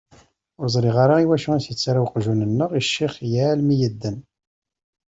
Ur ẓriɣ iwacu i s-yettarra uqjun-nneɣ i ccix yal mi yedden.